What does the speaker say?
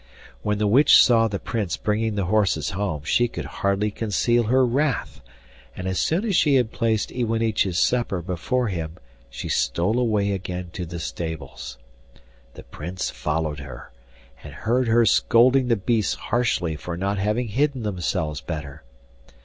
When the witch saw the Prince bringing the horses home she could hardly conceal her wrath, and as soon as she had placed Iwanich's supper before him she stole away again to the stables. The Prince followed her, and heard her scolding the beasts harshly for not having hidden themselves better.